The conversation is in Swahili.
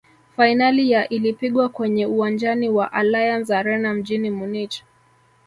fainali ya ilipigwa kwenye uwanjani wa allianz arena mjini munich